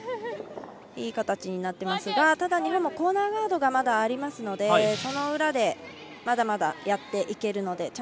いい形になっていますがただ、日本もコーナーガードがまだありますのでその裏で、まだまだやっていけるので。